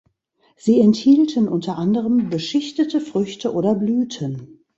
Sie enthielten unter anderem beschichtete Früchte oder Blüten.